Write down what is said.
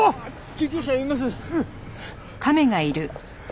救急車呼びます！